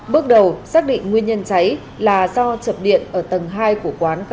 bước đầu xác định nguyên nhân cháy là do chập điện ở tầng hai của quán ba